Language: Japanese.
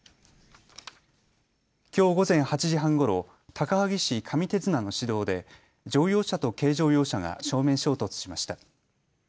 きょう午前８時半ごろ高萩市上手綱の市道で乗用車と軽乗用車が正面衝突しました。